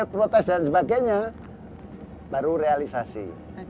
protes dan sebagainya baru realisasi